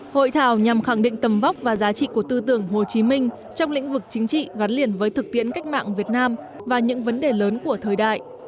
hội thảo nhằm khẳng định tầm vóc và giá trị của tư tưởng hồ chí minh trong lĩnh vực chính trị gắn liền với thực tiễn cách mạng việt nam và những vấn đề lớn của thời đại